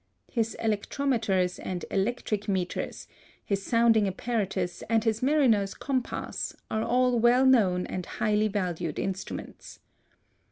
His electrometers and electric meters, his sounding apparatus, and his mariners' compass are all well known and highly valued instruments.